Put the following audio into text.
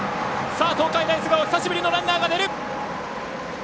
東海大菅生久しぶりのランナーが出る！